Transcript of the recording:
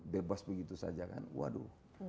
bebas begitu saja kan waduh